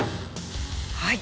はい。